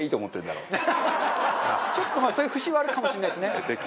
中丸：ちょっと、そういう節はあるかもしれないですね。